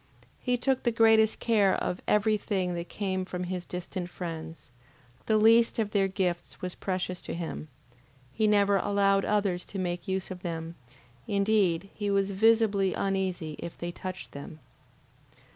He took the greatest care of every thing that came from his distant friends, the least of their gifts was precious to him, he never allowed others to make use of them, indeed he was visibly uneasy if they touched them.